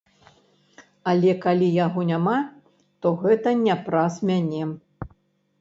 Але калі яго няма, то гэта не праз мяне.